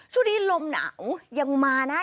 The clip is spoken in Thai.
ช่วงนี้ลมหนาวยังมานะ